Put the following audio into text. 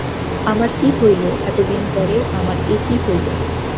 আমার কী হইল, এতদিন পরে আমার এ কী হইল।